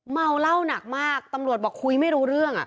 เมาเหล้าหนักมากตำรวจบอกคุยไม่รู้เรื่อง